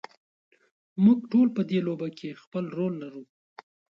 موږ ټول په دې لوبه کې خپل رول لرو.